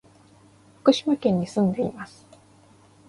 福島県に住んでいます。